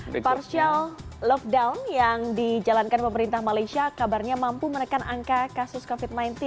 the partial lockdown yang dijalankan pemerintah malaysia kabarnya mampu menekan angka kasus covid sembilan belas